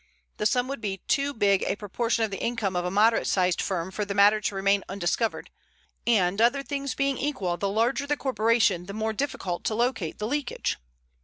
The sum would be too big a proportion of the income of a moderate sized firm for the matter to remain undiscovered, and, other things being equal, the larger the corporation the more difficult to locate the leakage.